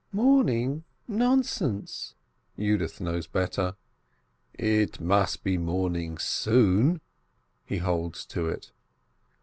"Morning? Nonsense!" Yudith knows better. "It must be morning soon!" He holds to it.